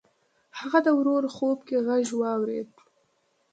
هغه د ورور خوب کې غږ واورېد.